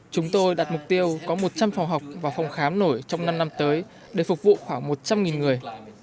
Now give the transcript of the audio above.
chúng tôi đặt mục tiêu có một trăm linh phòng học và phòng khám nổi trong năm năm tới để phục vụ khoảng một trăm linh người